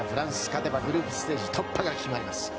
勝てばグループステージ突破が決まります。